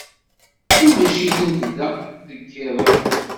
Ulac-itent da deg yiḍ-a.